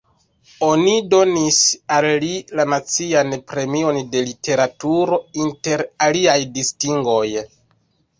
Oni donis al li la Nacian Premion de Literaturo inter aliaj distingoj.